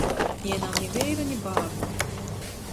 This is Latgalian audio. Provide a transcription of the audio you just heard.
Jai nav ni veira, ni bārnu.